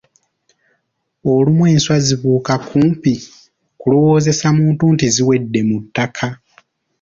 Olumu enswa zibuuka kumpi kulowoozesa muntu nti ziwedde mu ttakka.